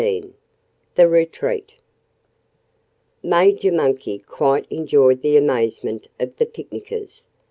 XV The Retreat Major Monkey quite enjoyed the amazement of the picnickers.